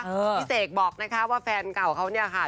พี่เสกบอกนะคะว่าแฟนเก่าเขาเนี่ยค่ะ